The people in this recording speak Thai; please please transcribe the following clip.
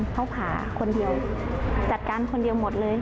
เขาผ่าคนเดียวจัดการคนเดียวหมดเลย